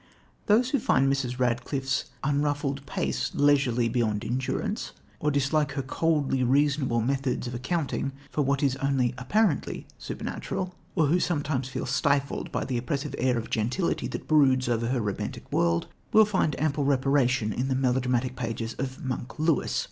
Those who find Mrs. Radcliffe's unruffled pace leisurely beyond endurance, or who dislike her coldly reasonable methods of accounting for what is only apparently supernatural, or who sometimes feel stifled by the oppressive air of gentility that broods over her romantic world, will find ample reparation in the melodramatic pages of "Monk" Lewis.